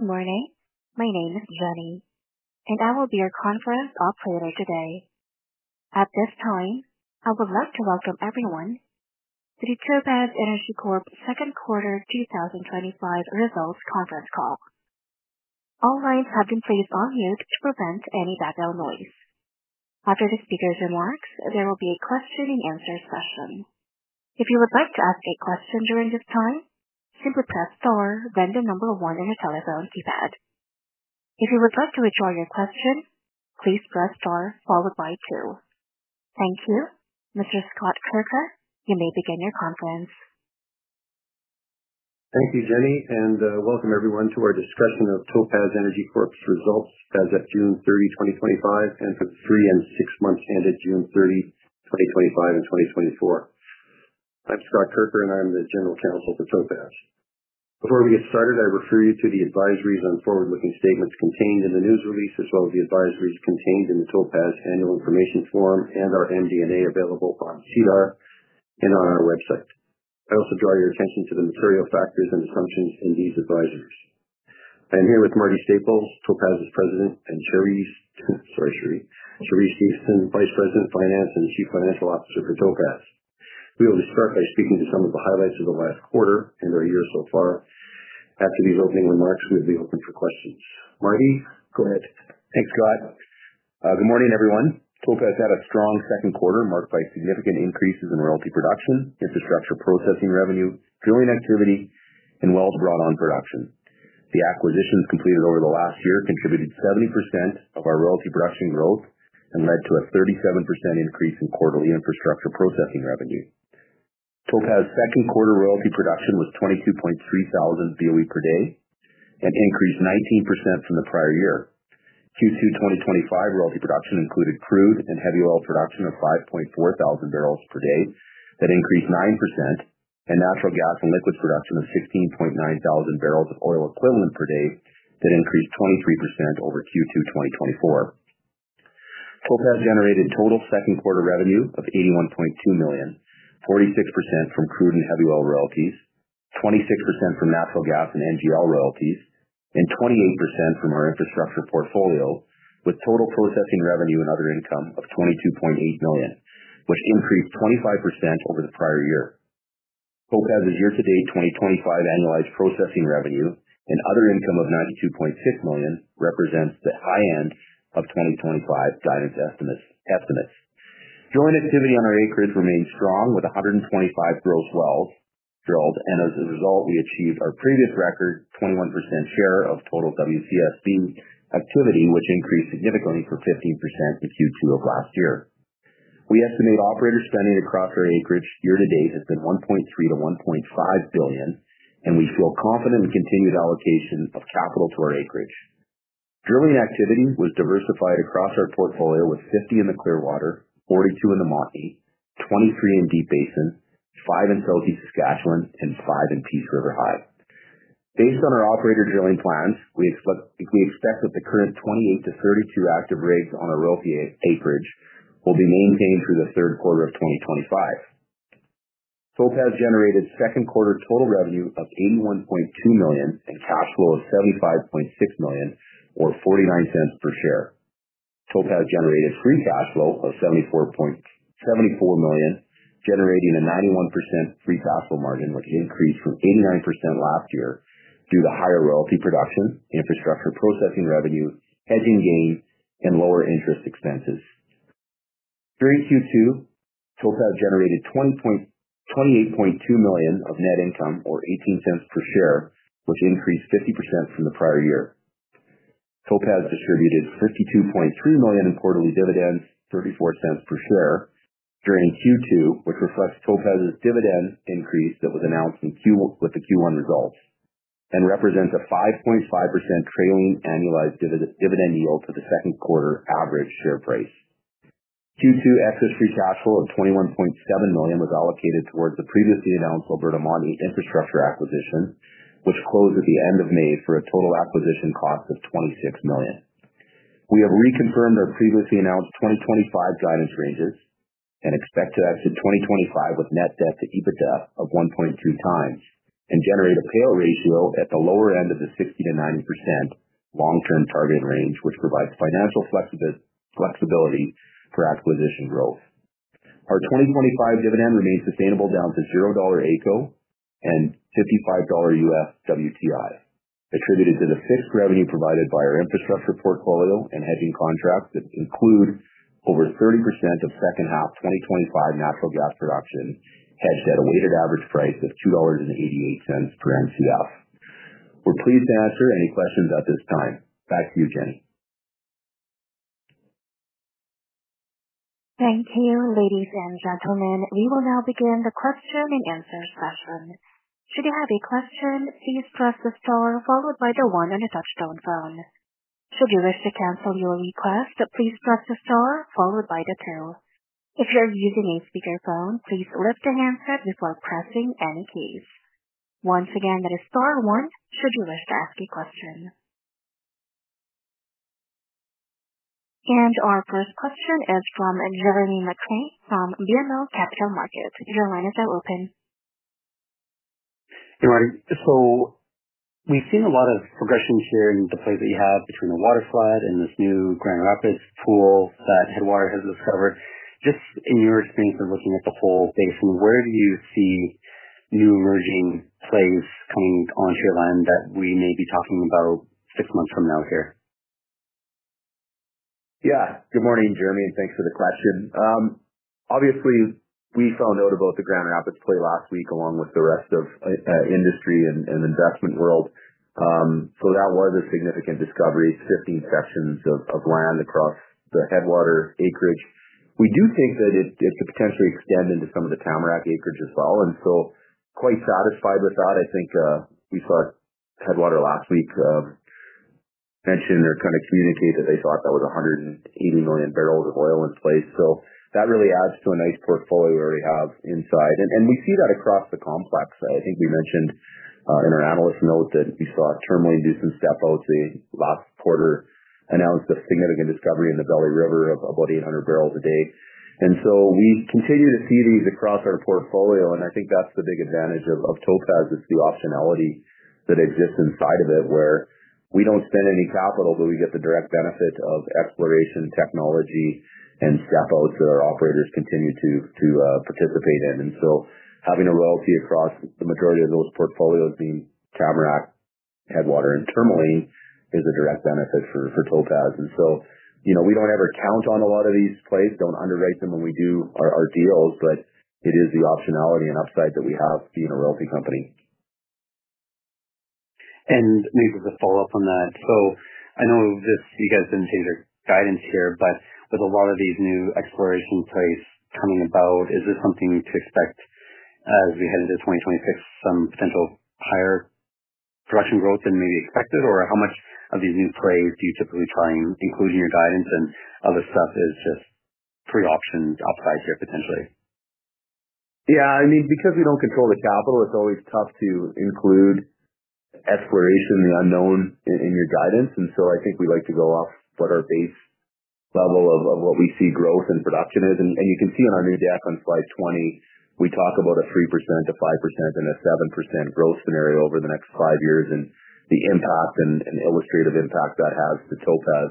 Good morning. My name is Jenny, and I will be your conference operator today. At this time, I would like to welcome everyone to the Topaz Energy Corp second quarter 2025 results conference call. All lines have been placed on mute to prevent any background noise. After the speaker's remarks, there will be a question and answer session. If you would like to ask a question during this time, simply press star then the number one on your telephone keypad. If you would like to withdraw your question, please press star followed by two. Thank you. Mr. Scott Kirka, you may begin your conference. Thank you, Jenny, and welcome everyone to our discussion of Topaz Energy Corp's results as of June 30, 2025, and for three and six months ended June 30, 2025 and 2024. I'm Scott Kirka, and I'm the General Counsel for Topaz. Before we get started, I refer you to the advisories on forward-looking statements contained in the news release, as well as the advisories contained in the Topaz annual information form and our MD&A available on CDAR and on our website. I also draw your attention to the material factors and assumptions in these advisories. I am here with Marty Staples, Topaz's President, and Cheree Stephenson, Vice President, Finance, and Chief Financial Officer for Topaz. We will start by speaking to some of the highlights of the last quarter and our year so far. After these opening remarks, we will be open for questions. Marty, go ahead. Thanks, Scott. Good morning, everyone. Topaz had a strong second quarter marked by significant increases in royalty production, infrastructure processing revenue, drilling activity, and wells brought on production. The acquisitions completed over the last year contributed 70% of our royalty production growth and led to a 37% increase in quarterly infrastructure processing revenue. Topaz's second quarter royalty production was 22.3 thousand BOE per day and increased 19% from the prior year. Q2 2025 royalty production included crude and heavy oil production of 5.4 thousand barrels per day that increased 9%, and natural gas and liquids production of 16.9 thousand barrels of oil equivalent per day that increased 23% over Q2 2024. Topaz generated total second quarter revenue of $81.2 million, 46% from crude and heavy oil royalties, 26% from natural gas and NGL royalties, and 28% from our infrastructure portfolio, with total processing revenue and other income of $22.8 million, which increased 25% over the prior year. Topaz's year-to-date 2025 annualized processing revenue and other income of $92.6 million represents the high end of 2025 guidance estimates. Drilling activity on our acreage remains strong, with 125 gross wells drilled, and as a result, we achieved our previous record 21% share of total WCSB activity, which increased significantly from 15% in Q2 of last year. We estimate operator spending across our acreage year to date has been $1.3 billion-$1.5 billion, and we feel confident in continued allocation of capital to our acreage. Drilling activity was diversified across our portfolio with 50 in the Clearwater, 42 in the Maudine, 23 in Deep Basin, 5 in Southeast Saskatchewan, and 5 in Peace River High. Based on our operator drilling plans, we expect that the current 28 to 32 active rigs on our royalty acreage will be maintained through the third quarter of 2025. Topaz generated second quarter total revenue of $81.2 million and cash flow of $75.6 million or $0.49 per share. Topaz generated free cash flow of $74.74 million, generating a 91% free cash flow margin, which increased from 89% last year due to higher royalty production, infrastructure processing revenue, hedging gains, and lower interest expenses. During Q2, Topaz generated $28.2 million of net income or $0.18 per share, which increased 50% from the prior year. Topaz distributed $52.3 million in quarterly dividends, $0.34 per share during Q2, which reflects Topaz's dividend increase that was announced with the Q1 results and represents a 5.5% trailing annualized dividend yield to the second quarter average share price. Q2 excess free cash flow of $21.7 million was allocated towards the previously announced Alberta Maudine infrastructure acquisition, which closed at the end of May for a total acquisition cost of $26 million. We have reconfirmed our previously announced 2025 guidance ranges and expect to exit 2025 with net debt to EBITDA of 1.3x and generate a payout ratio at the lower end of the 60%-90% long-term target range, which provides financial flexibility for acquisition growth. Our 2025 dividend remains sustainable down to $0 ACO and $55 US WTI, attributed to the fixed revenue provided by our infrastructure portfolio and hedging contracts that include over 30% of second half 2025 natural gas production hedged at a weighted average price of $2.88 per MMBtu. We're pleased to answer any questions at this time. Back to you, Jenny. Thank you, ladies and gentlemen. We will now begin the question and answer session. Should you have a question, please press the star followed by the one on the touch-tone phone. Should you wish to cancel your request, please press the star followed by the two. If you're using a speaker phone, please lift and answer it before pressing any keys. Once again, that is star one should you wish to ask a question. Our first question is from Jeremy McCrea from BMO Capital Markets. Your line is now open. Hey, Marty. We've seen a lot of progression here in the plays that you have between the waterside and this new Grand Rapids pool that Headwater has discovered. Just in your experience of looking at the whole basin, where do you see new emerging plays coming onto your line that we may be talking about six months from now here? Yeah. Good morning, Jeremy, and thanks for the question. Obviously, we fell in note about the Grand Rapids play last week along with the rest of the industry and investment world. That was a significant discovery, 15 sections of land across the Headwater acreage. We do think that it could potentially extend into some of the Tamarack acreage as well, and quite satisfied with that. I think we saw Headwater last week mention or kind of communicate that they thought that was 180 million barrels of oil in place. That really adds to a nice portfolio we already have inside, and we see that across the complex. I think we mentioned in our analyst note that we saw Tourmaline and Tamarack the last quarter announce a significant discovery in the Peace River High of about 800 barrels a day. We continue to see these across our portfolio, and I think that's the big advantage of Topaz is the optionality that exists inside of it where we don't spend any capital, but we get the direct benefit of exploration technology and step outs that our operators continue to participate in. Having a royalty across the majority of those portfolios, being Tamarack, Headwater, and Tourmaline, is a direct benefit for Topaz. We don't ever count on a lot of these plays, don't underwrite them when we do our deals, but it is the optionality and upside that we have being a royalty company. I know you guys didn't change your guidance here, but with a lot of these new exploration plays coming about, is this something to expect as we head into 2026, some potential higher production growth than maybe expected? How much of these new plays do you typically try and include in your guidance, and other stuff is just pre-optioned upside here potentially? Yeah, I mean, because we don't control the capital, it's always tough to include exploration and the unknown in your guidance. I think we like to go off what our base level of what we see growth and production is. You can see on our new deck on slide 20, we talk about a 3%-5% and a 7% growth scenario over the next five years and the impact and illustrative impact that has to Topaz.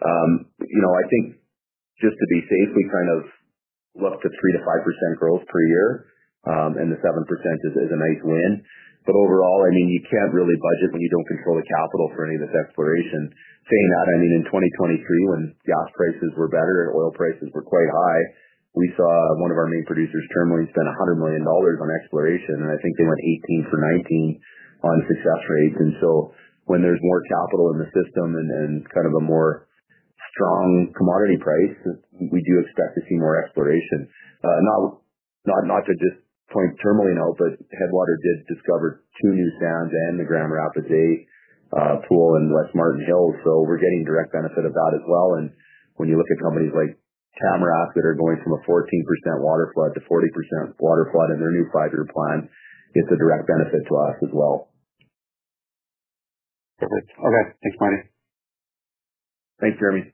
I think just to be safe, we kind of look to 3%-5% growth per year, and the 7% is a nice win. Overall, you can't really budget when you don't control the capital for any of this exploration. Saying that, I mean, in 2023, when gas prices were better and oil prices were quite high, we saw one of our main producers, Tourmaline, spend $100 million on exploration, and I think they went 18 for 19 on success rates. When there's more capital in the system and kind of a more strong commodity price, we do expect to see more exploration. Not to just point Tourmaline out, but Headwater did discover two new sands and the Grand Rapids A pool in West Marten Hills. We're getting direct benefit of that as well. When you look at companies like Tamarack that are going from a 14% water flood to 40% water flood in their new five-year plan, it's a direct benefit to us as well. Perfect. Okay, thanks, Marty. Thanks, Jeremy.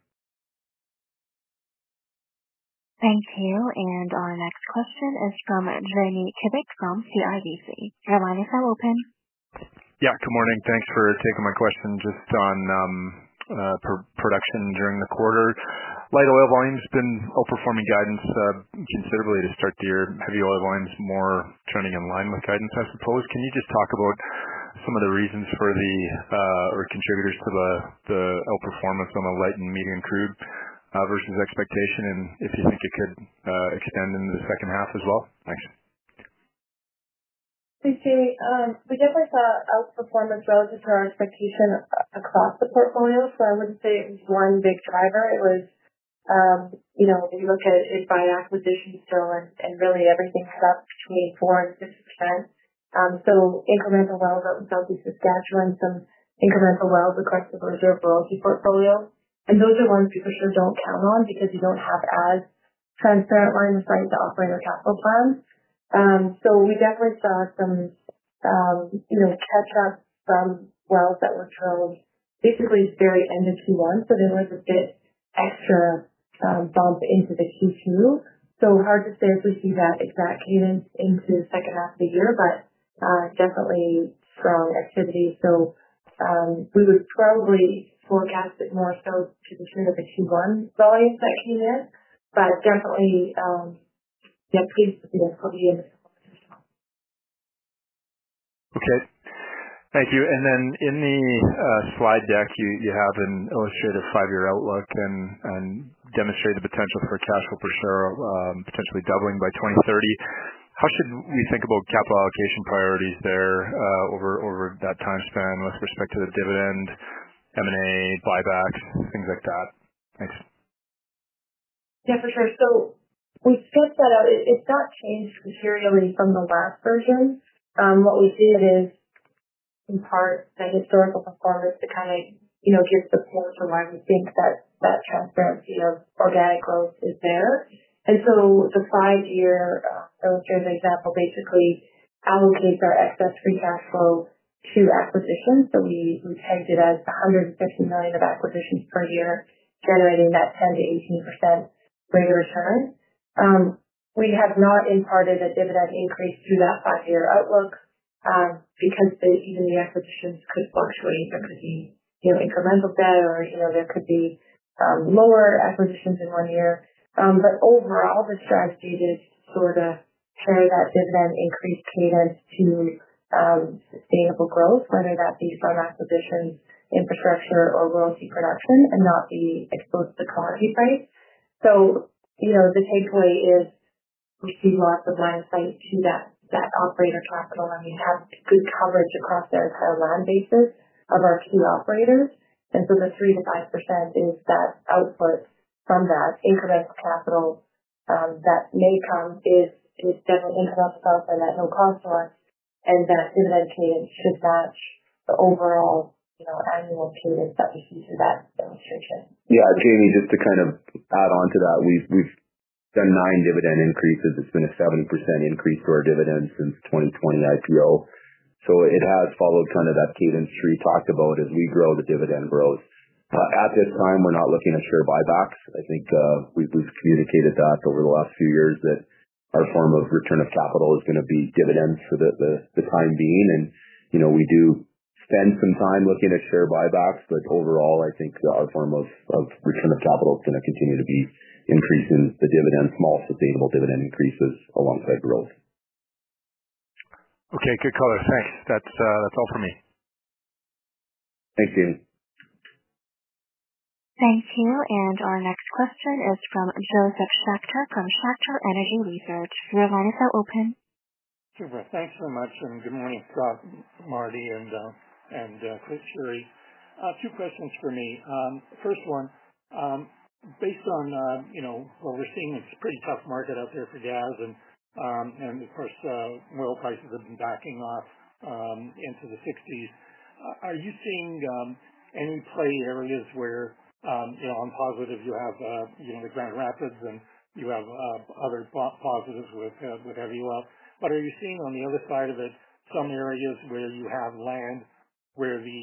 Thank you. Our next question is from Jamie Kubik from CIBC. Your line is now open. Good morning. Thanks for taking my question just on production during the quarter. Light oil volumes have been outperforming guidance considerably to start the year. Heavy oil volumes more trending in line with guidance, I suppose. Can you just talk about some of the reasons for the, or contributors to the outperformance on the light and medium crude, versus expectation and if you think it could extend into the second half as well? Thanks. Thanks, Jamie. We definitely saw outperformance relative to our expectation across the portfolio. I wouldn't say it was one big driver. It was, you know, if you look at it by acquisition still and really everything cut up between 4% and 6%. Incremental wells out in Southeast Saskatchewan, some incremental wells across the reserve royalty portfolio. Those are ones we for sure don't count on because we don't have as transparent line of sight to operator capital plans. We definitely saw some catch-up from wells that were drilled basically at the very end of Q1. There was a bit extra bump into Q2. It's hard to say if we see that exact cadence into the second half of the year, but definitely strong activity. We would probably forecast it more so because it's due to the Q1 volumes that came in. Definitely, yep, we have to see this coming in. Thank you. In the slide deck, you have an illustrative five-year outlook and demonstrated the potential for a cash flow per share, potentially doubling by 2030. How should we think about capital allocation priorities there over that time span with respect to the dividend, M&A, buybacks, things like that? Thanks. Yeah, for sure. We think that it's not changed materially from the last version. What we did is, in part, that historical performance to kind of, you know, give support to why we think that that transparency of organic growth is there. The five-year illustrative example basically allocates our excess free cash flow to acquisitions. We tagged it as $150 million of acquisitions per year, generating that 10%-18% rate of return. We have not imparted a dividend increase through that five-year outlook, because even the acquisitions could fluctuate. There could be, you know, incremental debt or, you know, there could be lower acquisitions in one year. Overall, the strategy is to sort of carry that dividend increase cadence to sustainable growth, whether that be from acquisitions, infrastructure, or royalty production and not be exposed to commodity price. The takeaway is we see lots of line of sight to that operator capital. I mean, we have good coverage across the entire land basis of our key operators. The 3%-5% is that output from that incremental capital that may come, is definitely in and of itself an added cost to us, and that dividend cadence should match the overall annual cadence that we see through that demonstration. Yeah. Jamie, just to kind of add on to that, we've done nine dividend increases. It's been a 70% increase to our dividends since the 2020 IPO. It has followed kind of that cadence we talked about as we grow the dividend growth. At this time, we're not looking at share buybacks. I think we've communicated that over the last few years that our form of return of capital is going to be dividends for the time being. You know, we do spend some time looking at share buybacks, but overall, I think our form of return of capital is going to continue to be increasing the dividends, small sustainable dividend increases alongside growth. Okay. Good color. Thanks. That's all for me. Thanks, Jamie. Thank you. Our next question is from Josef Shachter from Shachter Energy Research. Your line is now open. Sure. Thanks so much. Good morning, Scott, Marty, and Cheree. Two questions for me. First one, based on what we're seeing, it's a pretty tough market out there for gas, and of course, oil prices have been backing off into the $60s. Are you seeing any play areas where, you know, I'm positive you have the Grand Rapids and you have other positives with heavy oil, but are you seeing on the other side of it some areas where you have land where the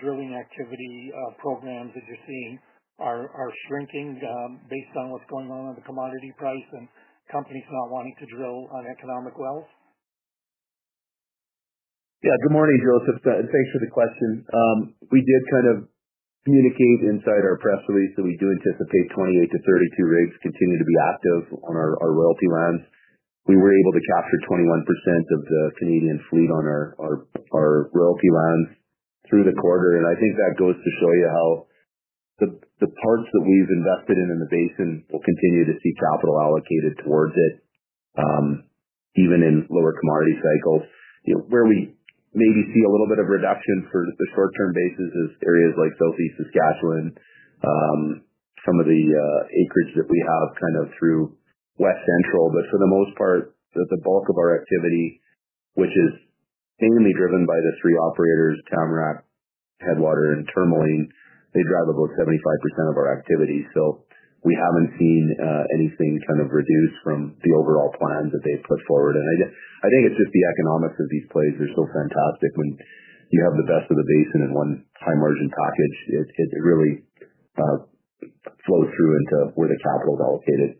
drilling activity programs that you're seeing are shrinking based on what's going on in the commodity price and companies not wanting to drill on economic wells? Yeah. Good morning, Josef. Thanks for the question. We did kind of communicate inside our press release that we do anticipate 28 to 32 rigs continue to be active on our royalty lands. We were able to capture 21% of the Canadian fleet on our royalty lands through the quarter. I think that goes to show you how the parts that we've invested in in the basin will continue to see capital allocated towards it, even in lower commodity cycles. You know, where we maybe see a little bit of reduction for the short-term basis is areas like Southeast Saskatchewan, some of the acreage that we have kind of through West Central. For the most part, the bulk of our activity, which is mainly driven by the three operators, Tamarack, Headwater, and Tourmaline, they drive about 75% of our activity. We haven't seen anything kind of reduced from the overall plan that they've put forward. I think it's just the economics of these plays. They're so fantastic when you have the best of the basin in one high-margin package. It really flows through into where the capital is allocated.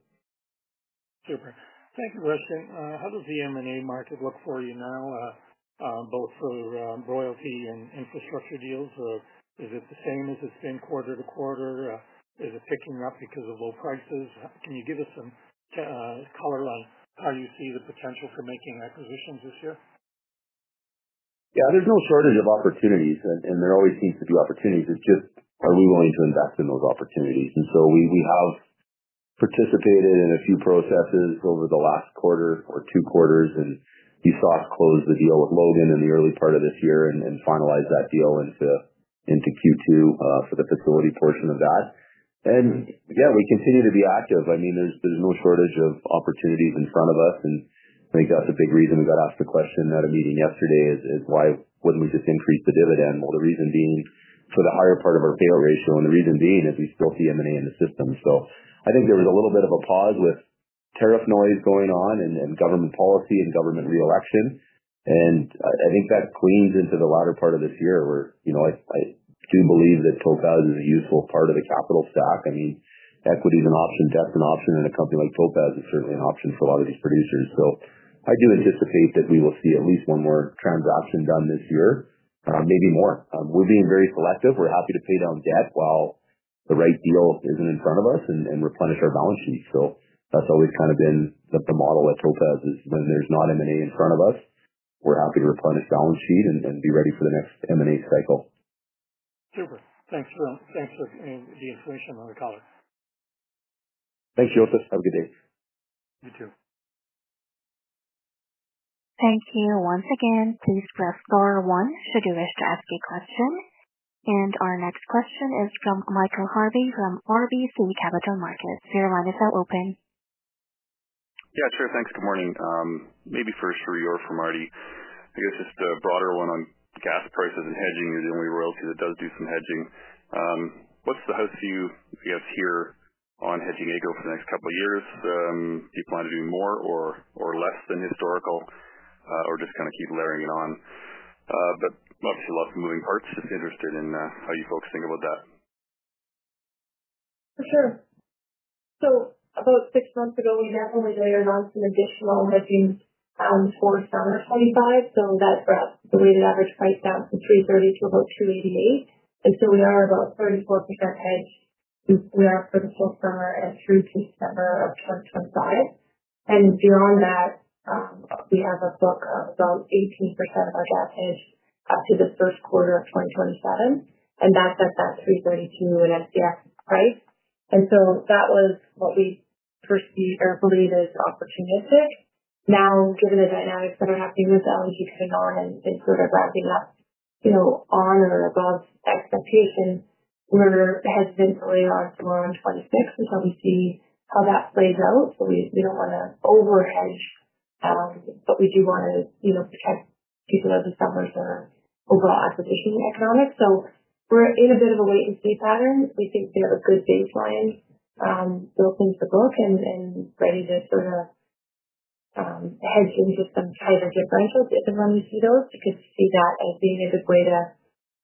Super. Second question. How does the M&A market look for you now, both for royalty and infrastructure deals? Is it the same as it's been quarter to quarter? Is it picking up because of low prices? Can you give us some color on how you see the potential for making acquisitions this year? Yeah. There's no shortage of opportunities, and there always seems to be opportunities. It's just, are we willing to invest in those opportunities? We have participated in a few processes over the last quarter or two quarters. You saw us close the deal with Logan in the early part of this year and finalize that deal into Q2 for the facility portion of that. We continue to be active. There's no shortage of opportunities in front of us. I think that's a big reason we got asked the question at a meeting yesterday: why wouldn't we just increase the dividend? The reason being for the higher part of our payout ratio. The reason being is we still see M&A in the system. I think there was a little bit of a pause with tariff noise going on and government policy and government reelection. I think that cleans into the latter part of this year where, you know, I do believe that Topaz is a useful part of the capital stack. Equity is an option, debt's an option, and a company like Topaz is certainly an option for a lot of these producers. I do anticipate that we will see at least one more transaction done this year, maybe more. We're being very selective. We're happy to pay down debt while the right deal isn't in front of us and replenish our balance sheet. That's always kind of been the model at Topaz. When there's not M&A in front of us, we're happy to replenish balance sheet and be ready for the next M&A cycle. Super. Thanks for the information and the color. Thanks, Josef. Have a good day. You too. Thank you. Once again, please press star one should you wish to ask a question. Our next question is from Michael Harvey from RBC Capital Markets. Your line is now open. Yeah, sure. Thanks. Good morning. Maybe first for you or for Marty. I guess just a broader one on gas prices and hedging. You're the only royalty that does do some hedging. What's the hope for you if you have here on hedging ACO for the next couple of years? Do you plan to do more or less than historical, or just kind of keep layering it on? Obviously, lots of moving parts. Just interested in how you folks think about that. For sure. About six months ago, we definitely layered on some additional hedging for summer 2025. That brought the weighted average price down from $3.30 to about $2.88. We are about 34% hedged for the full summer and through December 2025. Beyond that, we have a book of about 18% of our gas hedged up to the first quarter of 2027, and that's at that $3.32 in MMBtu price. That was what we perceive or believe is opportunistic. Now, given the dynamics that are happening with Canadian LNG coming on and sort of ramping up, you know, on or above expectation, we're hesitant to layer on some more on 2026 until we see how that plays out. We don't want to overhedge, but we do want to protect people as the summers are overall acquisition economics. We're in a bit of a wait-and-see pattern. We think we have a good baseline built into the book and ready to sort of hedge into some tighter differentials if and when we see those. We could see that as being a good way to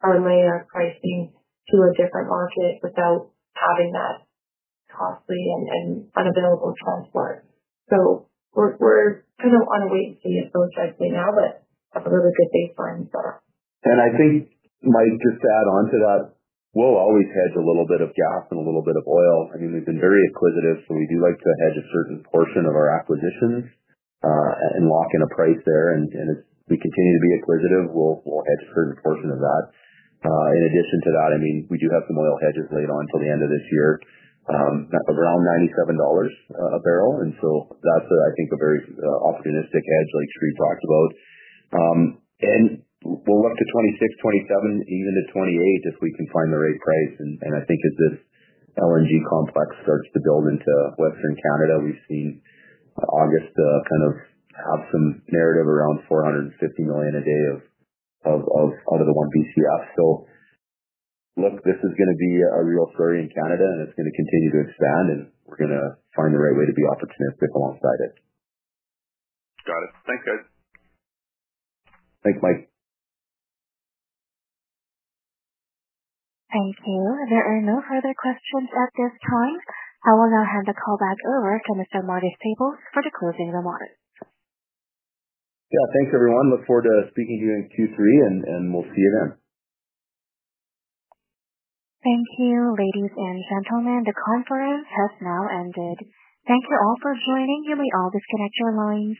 try and layer our pricing to a different market without having that costly and unavailable transport. We're kind of on a wait-and-see approach, I'd say now, but have a really good baseline set up. I think, Mike, just to add on to that, we'll always hedge a little bit of gas and a little bit of oil. We've been very acquisitive, so we do like to hedge a certain portion of our acquisitions and lock in a price there. If we continue to be acquisitive, we'll hedge a certain portion of that. In addition to that, we do have some oil hedges laid on till the end of this year, at around $97 a barrel. That's, I think, a very opportunistic hedge like Cheree talked about. We'll look to 2026, 2027, even to 2028 if we can find the right price. As this Canadian LNG complex starts to build into Western Canada, we've seen August kind of have some narrative around 450 million a day out of the one BCF. This is going to be a real story in Canada, and it's going to continue to expand, and we're going to find the right way to be opportunistic alongside it. Got it. Thanks, guys. Thanks, Mike. Thank you. There are no further questions at this time. I will now hand the call back over to Mr. Marty Staples for the closing remarks. Thank you, everyone. Look forward to speaking to you in Q3, and we'll see you then. Thank you, ladies and gentlemen. The conference has now ended. Thank you all for joining. You may all disconnect your lines.